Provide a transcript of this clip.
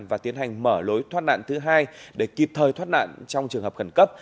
và tiến hành mở lối thoát nạn thứ hai để kịp thời thoát nạn trong trường hợp khẩn cấp